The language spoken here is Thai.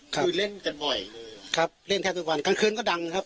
คือเล่นกันบ่อยครับเล่นแทบทุกวันกลางคืนก็ดังครับ